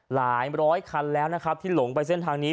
หลายร้อยคันแล้วนะครับที่หลงไปเส้นทางนี้